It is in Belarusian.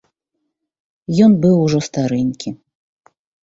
Ён быў ужо старэнькі.